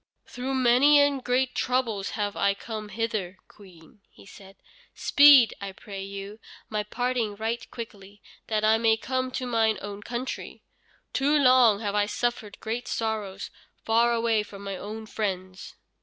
"Through many and great troubles have I come hither, Queen," said he; "speed, I pray you, my parting right quickly, that I may come to mine own country. Too long have I suffered great sorrows far away from my own friends."